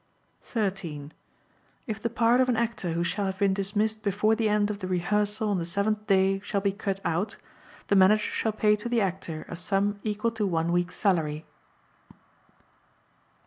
13. If the part of an Actor who shall have been dismissed before the end of the rehearsal on the seventh day shall be cut out, the Manager shall pay to the Actor a sum equal to one week's salary.